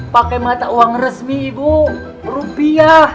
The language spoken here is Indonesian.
pakai mata uang resmi ibu rupiah